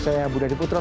saya budha diputra